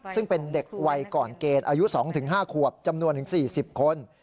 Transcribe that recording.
ซึ่งเป็นเด็กวัยก่อนเกณฑ์อายุ๒๕ขวบจำนวนถึง๔๐คน